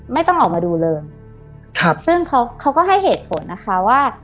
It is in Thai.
ไม่ต้องออกมาดูเลยครับซึ่งเขาเขาก็ให้เหตุผลนะคะว่า